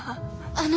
あの！